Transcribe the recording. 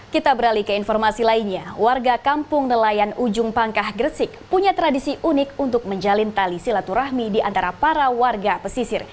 kita beralih ke informasi lainnya warga kampung nelayan ujung pangkah gresik punya tradisi unik untuk menjalin tali silaturahmi di antara para warga pesisir